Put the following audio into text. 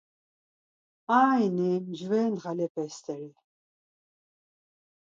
Ayni mcve ndğalepeşi steri.